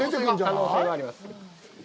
可能性があります。